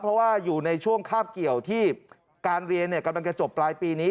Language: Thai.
เพราะว่าอยู่ในช่วงคาบเกี่ยวที่การเรียนกำลังจะจบปลายปีนี้